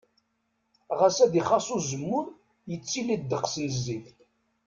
Ɣas ad ixas uzemmur, yettili ddeqs n zzit.